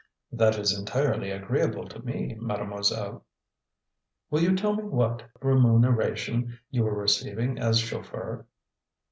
"That is entirely agreeable to me, Mademoiselle." "Will you tell me what what remuneration you were receiving as chauffeur?"